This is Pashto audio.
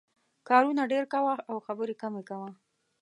کارونه ډېر کوه او خبرې کمې کوه.